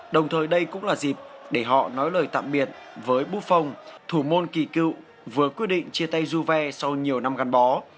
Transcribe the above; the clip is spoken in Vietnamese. đồng thời đây cũng là dịp để họ nói lời tạm biệt với buffon thủ môn kỳ cựu vừa quyết định chia tay juve sau nhiều năm gắn bó